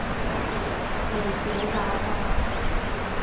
未社教化